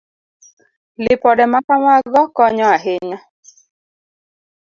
Lipode ma kamago konyo ahinya.